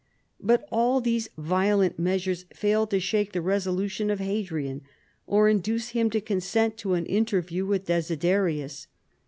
But all these violent measures failed to shake the resolution of Hadrian or induce him to consent to an interview with Desiderius.